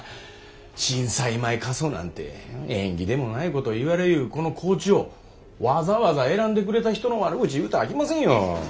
震災前過疎なんて縁起でもないこと言われゆうこの高知をわざわざ選んでくれた人の悪口言うたらあきませんよ。